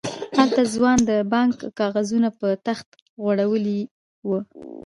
هلته ځوان د بانک کاغذونه په تخت غړولي وو.